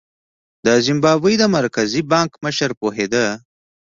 د زیمبابوې د مرکزي بانک مشر پوهېده.